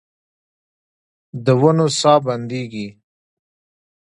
د ونو ساه بندیږې